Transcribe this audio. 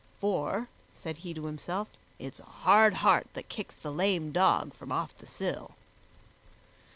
"For," said he to himself, "it is a hard heart that kicks the lame dog from off the sill."